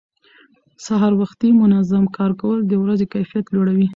سهار وختي منظم کار کول د ورځې کیفیت لوړوي